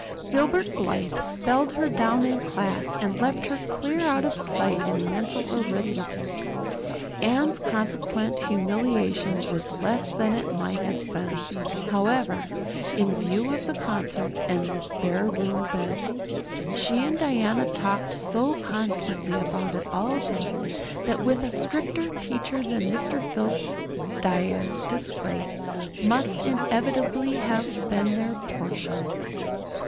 Gilbert Blythe spelled her down in class and left her clear out of sight in mental arithmetic. Anne's consequent humiliation was less than it might have been, however, in view of the concert and the spare room bed. She and Diana talked so constantly about it all day that with a stricter teacher than Mr. Phillips dire disgrace must inevitably have been their portion.